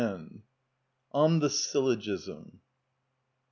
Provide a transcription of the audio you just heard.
On The Syllogism.